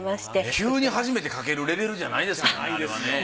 急に始めて描けるレベルじゃないですもんねあれはね。